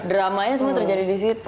dramanya semua terjadi di situ